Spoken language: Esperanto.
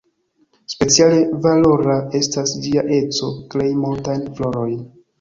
Speciale valora estas ĝia eco krei multajn florojn.